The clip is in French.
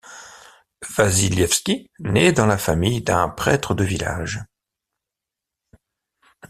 Vassilievski naît dans la famille d'un prêtre de village.